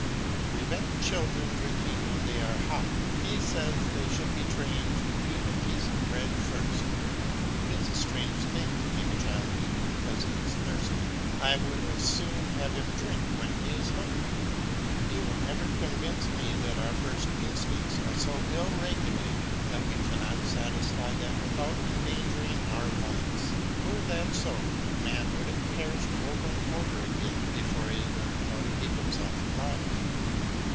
To prevent children drinking when they are hot, he says they should be trained to eat a piece of bread first. It is a strange thing to make a child eat because he is thirsty; I would as soon give him a drink when he is hungry. You will never convince me that our first instincts are so ill regulated that we cannot satisfy them without endangering our lives. Were that so, the man would have perished over and over again before he had learned how to keep himself alive.